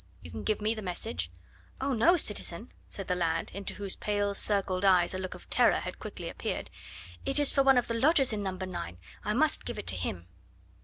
You can give me the message." "Oh, no, citizen!" said the lad, into whose pale, circled eyes a look of terror had quickly appeared. "It is for one of the lodgers in No. 9. I must give it to him."